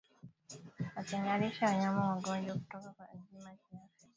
Watenganishe wanyama wagonjwa kutoka kwa wazima kiafya